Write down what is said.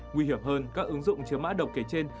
nguy hiểm hơn các ứng dụng chứa mã độc kể trên